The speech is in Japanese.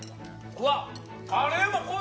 うわっ！